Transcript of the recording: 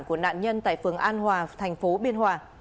của nạn nhân tại phường an hòa thành phố biên hòa